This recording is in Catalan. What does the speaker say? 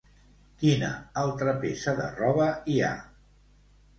Quina altra peça de roba hi ha?